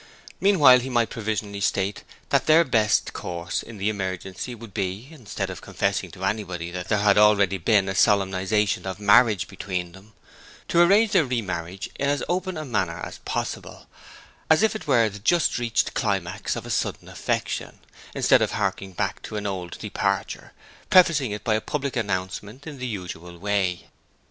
Meanwhile he might provisionally state that their best course in the emergency would be, instead of confessing to anybody that there had already been a solemnization of marriage between them, to arrange their re marriage in as open a manner as possible as if it were the just reached climax of a sudden affection, instead of a harking back to an old departure prefacing it by a public announcement in the usual way.